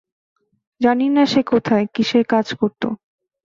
জানি না সে কোথায়, কীসের কাজ করত।